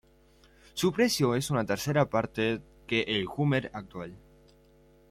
Su precio es una tercera parte que el Hummer actual.